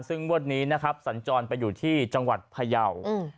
ซึ่งวันนี้สัญจรไปอยู่ที่จังหวัดพยาว